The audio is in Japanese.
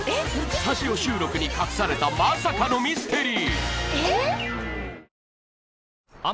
スタジオ収録に隠されたまさかのミステリー